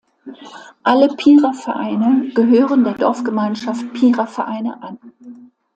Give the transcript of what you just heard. Alle Pierer Vereine gehören der Dorfgemeinschaft Pierer Vereine an.